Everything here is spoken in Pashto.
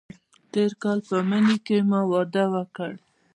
تېر کال په مني کې ما واده وکړ.